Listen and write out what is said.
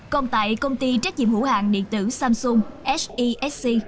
còn tại công ty trách nhiệm hữu hạng điện tử samsung sesc